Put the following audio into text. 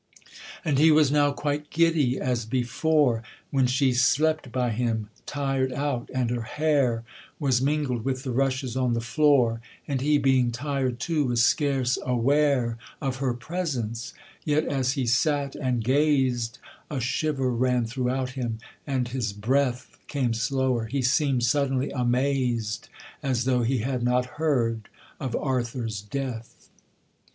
And he was now quite giddy as before, When she slept by him, tired out, and her hair Was mingled with the rushes on the floor, And he, being tired too, was scarce aware Of her presence; yet as he sat and gazed, A shiver ran throughout him, and his breath Came slower, he seem'd suddenly amazed, As though he had not heard of Arthur's death.